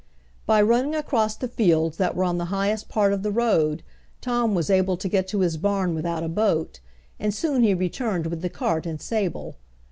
By running across the fields that were on the highest part of the road Tom was able to get to his barn without a boat, and soon he returned with the cart and Sable.